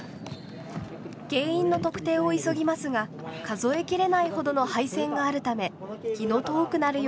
原因の特定を急ぎますが数え切れないほどの配線があるため気の遠くなるような作業です。